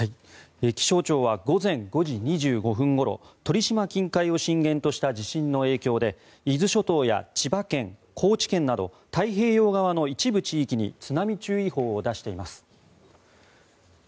気象庁は午前５時２５分ごろ鳥島近海を震源とした地震の影響で伊豆諸島や千葉県、高知県など太平洋側の一部地域に津波注意報を出しています。